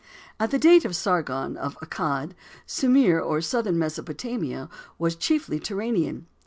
At the date of Sargon, of Accad, Sumir, or southern Mesopotamia, was chiefly Turanian.